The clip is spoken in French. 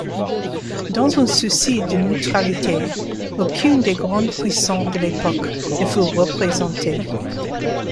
Dans un souci de neutralité, aucune des grandes puissances de l’époque ne fut représentée.